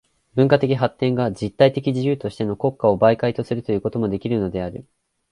文化的発展が実体的自由としての国家を媒介とするということもできるのである。